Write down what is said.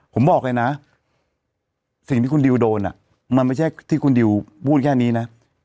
ผมบอกเลยนะสิ่งที่คุณดิวโดนมันไม่ใช่ที่คุณดิวพูดแค่นี้นะ